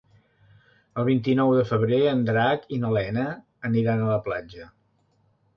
El vint-i-nou de febrer en Drac i na Lena aniran a la platja.